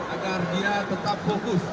agar dia tetap fokus